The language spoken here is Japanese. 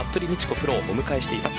プロをお迎えしています。